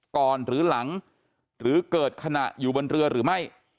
หรือหลังหรือเกิดขณะอยู่บนเรือหรือไม่